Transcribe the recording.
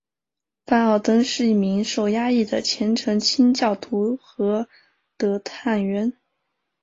范奥登是一名受压抑的虔诚清教徒和的探员。